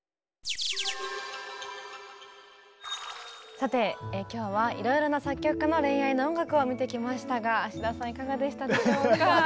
さて今日はいろいろな作曲家の恋愛の音楽を見てきましたが田さんいかがでしたでしょうか？